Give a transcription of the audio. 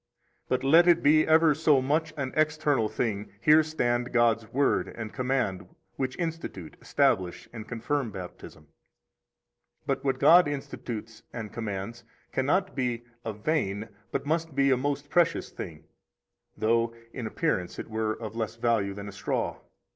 But let it be ever so much an external thing, here stand God's Word and command which institute, establish, and confirm Baptism. But what God institutes and commands cannot be a vain, but must be a most precious thing, though in appearance it were of less value than a straw.